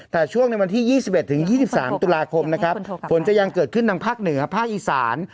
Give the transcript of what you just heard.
แต่ช่วงในวันที่ยี่สิบเอ็ดถึงยี่สิบสามตุลาคมนะครับฝนจะยังเกิดขึ้นทางภาคเหนือภาคอีสาน